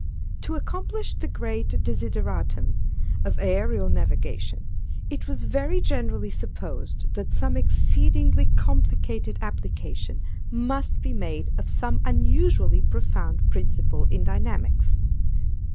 To accomplish the great desideratum of ærial navigation, it was very generally supposed that some exceedingly complicated application must be made of some unusually profound principle in dynamics.